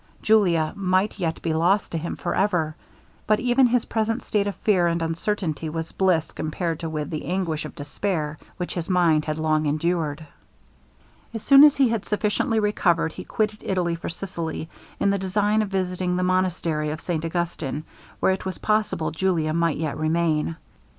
Julia might yet be lost to him for ever. But even his present state of fear and uncertainty was bliss compared with the anguish of despair, which his mind had long endured. As soon as he was sufficiently recovered, he quitted Italy for Sicily, in the design of visiting the monastery of St Augustin, where it was possible Julia might yet remain.